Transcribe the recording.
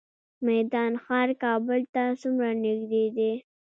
میدان ښار کابل ته څومره نږدې دی؟